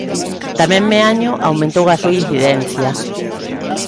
Tamén Meaño aumentou a súa incidencia.